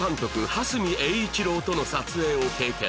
羽住英一郎との撮影を経験